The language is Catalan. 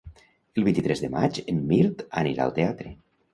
El vint-i-tres de maig en Mirt anirà al teatre.